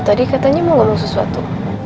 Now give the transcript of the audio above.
tadi katanya mau ngomong sesuatu